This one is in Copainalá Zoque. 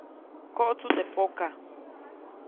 Koʼtsu teʼ pokaʼ.